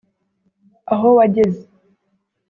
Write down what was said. aho wageze